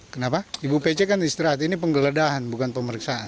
kenapa ibu pece kan istirahat ini penggeledahan bukan pemeriksaan